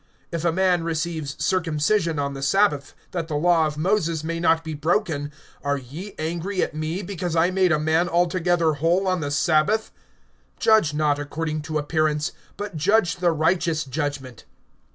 (23)If a man receives circumcision on the sabbath, that the law of Moses may not be broken; are ye angry at me, because I made a man altogether whole on the sabbath? (24)Judge not according to appearance, but judge the righteous judgment.